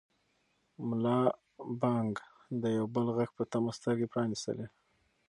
ملا بانګ د یو بل غږ په تمه سترګې پرانیستلې.